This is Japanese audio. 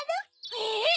えっ！